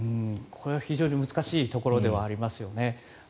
これは非常に難しいところではありますよね。